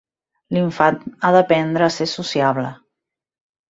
L'infant ha d'aprendre a ser sociable.